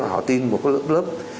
họ tin một lớp